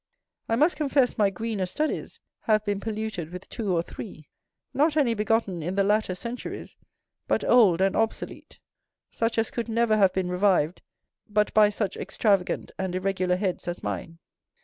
I must confess my greener studies have been polluted with two or three; not any begotten in the latter centuries, but old and obsolete, such as could never have been revived but by such extravagant and irregular heads as mine.